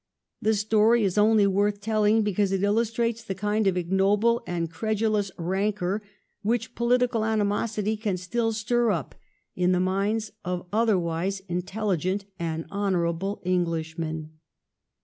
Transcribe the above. The story is only worth tell ing because it illustrates the kind of ignoble and credulous rancor which political animosity can still stir up in the minds of otherwise intelligent and honorable Englishmen.